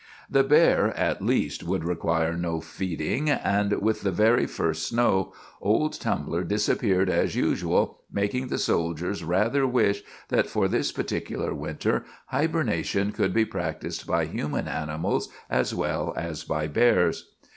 The bear, at least, would require no feeding, and with the very first snow old Tumbler disappeared as usual, making the soldiers rather wish that, for this particular winter, hibernation could be practised by human animals as well as by bears.